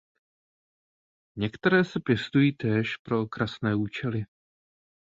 Některé se pěstují též pro okrasné účely.